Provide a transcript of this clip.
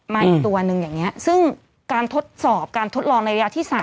อีกตัวหนึ่งอย่างนี้ซึ่งการทดสอบการทดลองในระยะที่๓